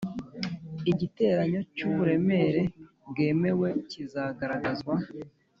igiteranyo cy uburemere bwemewe kizagaragazwa